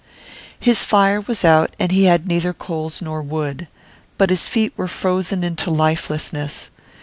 His fire was out and he had neither coals nor wood. But his feet were frozen into lifelessness.